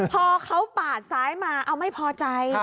พอเขาปาดซ้ายมาเอาไม่พอใจ